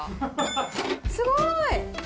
すごい。